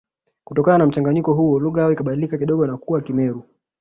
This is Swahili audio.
Kutokana na mchanganyiko huo lugha yao ikabadilika kidogo na kuwa Kimeru